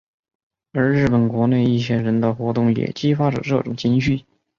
而日本国内一些人的活动也激发着这种情绪。